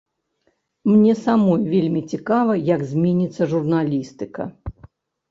Мне самой вельмі цікава, як зменіцца журналістыка.